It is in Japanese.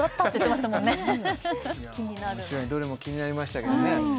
おもしろいどれも気になりましたけどね